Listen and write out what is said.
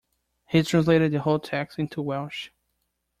He translated the whole text into Welsh.